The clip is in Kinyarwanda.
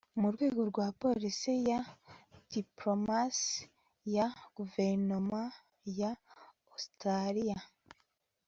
mu rwego rwa politiki ya diplomasi ya guverinoma ya Ositaraliya